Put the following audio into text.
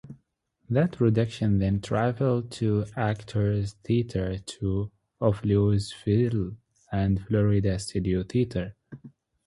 That production then traveled to Actors Theatre of Louisville and Florida Studio Theatre.